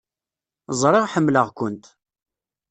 Ẓriɣ ḥemmleɣ-kent.